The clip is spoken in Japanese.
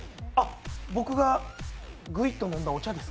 僕がグイッと飲んだお茶です。